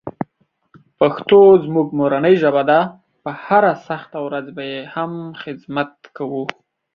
پښتو زموږ مورنۍ ژبه ده، په هره سخته ورځ به یې هم خدمت کوو.